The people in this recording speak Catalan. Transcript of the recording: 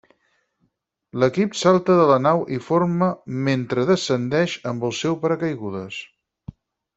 L'equip salta de la nau i forma mentre descendeix amb el seu paracaigudes.